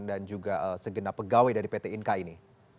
dan juga segena pegawai dari pt inka ini